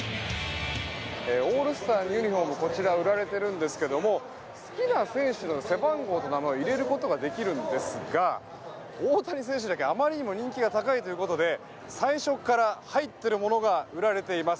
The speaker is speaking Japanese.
オールスターのユニホームがこちら、売られているんですが好きな選手の背番号と名前を入れることができるんですが大谷選手だけあまりにも人気が高いということで最初から入っているものが売られています。